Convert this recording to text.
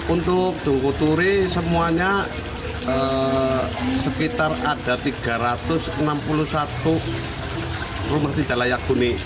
untuk tungkuturi semuanya sekitar ada tiga ratus enam puluh satu rumah tidak layak bunyi